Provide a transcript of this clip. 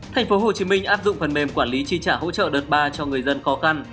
thành phố hồ chí minh áp dụng phần mềm quản lý chi trả hỗ trợ đợt ba cho người dân khó khăn